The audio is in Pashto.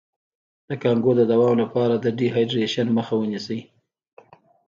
د کانګو د دوام لپاره د ډیهایډریشن مخه ونیسئ